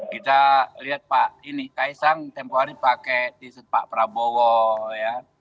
kita lihat pak ini kaisang tempoh hari pakai tsut pak prabowo ya